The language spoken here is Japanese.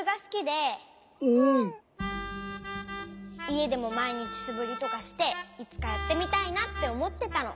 いえでもまいにちすぶりとかしていつかやってみたいなっておもってたの。